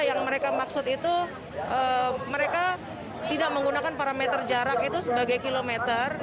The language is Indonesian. yang mereka maksud itu mereka tidak menggunakan parameter jarak itu sebagai kilometer